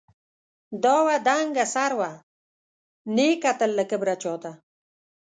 دا وه دنګه سروه، نې کتل له کبره چاته